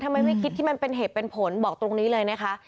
ไม่คิดที่มันเป็นเหตุเป็นผลบอกตรงนี้เลยนะคะ